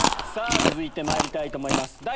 続いてまいりたいと思います